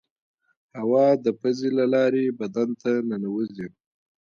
هوا د پزې له لارې بدن ته ننوزي.